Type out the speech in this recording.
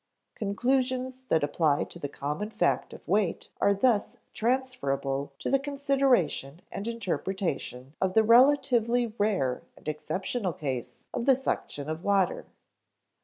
Conclusions that apply to the common fact of weight are thus transferable to the consideration and interpretation of the relatively rare and exceptional case of the suction of water.